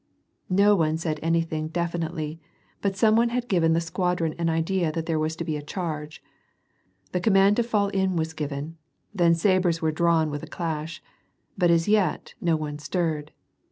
No one said anything definitely, but something had given the .squadron an idea that there was to be a charge. The command to fall in was given, then sabres were drawn with a clash. But as yet no one stirred.